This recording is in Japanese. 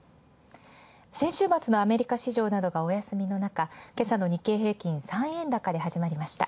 先週末のアメリカ市場がお休みのなか、けさの日経平均、３円高で始まりました。